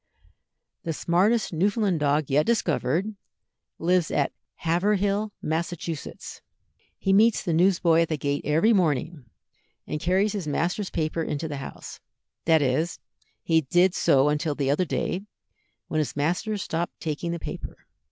The smartest Newfoundland dog yet discovered lives at Haverhill, Massachusetts. He meets the newsboy at the gate every morning, and carries his master's paper into the house; that is, he did so till the other day, when his master stopped taking the paper.